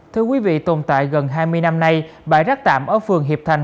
thưa quý vị tồn tại gần hai mươi năm nay bãi rác tạm ở phường hiệp thành